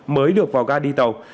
mới được vào ga đi tàu